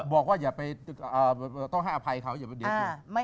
บอกว่าอย่าไปต้องให้อภัยเขาอย่าไปเด็ดถูก